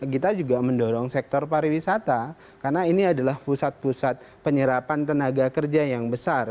kita juga mendorong sektor pariwisata karena ini adalah pusat pusat penyerapan tenaga kerja yang besar